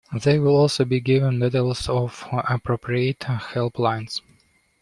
They will also be given details of appropriate helplines.